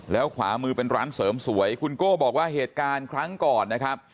แล้วขวามือเป็นร้านเสริมสวยคุณโก้บอกว่าเหตุการณ์ครั้งก่อนนะครับ